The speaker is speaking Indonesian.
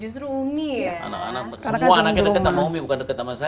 semua anaknya deket sama umi bukan deket sama saya